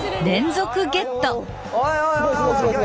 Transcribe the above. おいおい！